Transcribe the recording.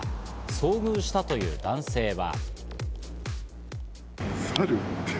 遭遇したという男性は。